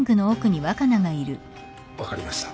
分かりました。